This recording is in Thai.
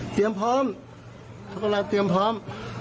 เตรียมพร้อมทุกคนรับเตรียมพร้อม